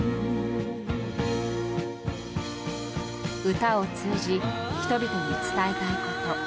歌を通じ人々に伝えたいこと。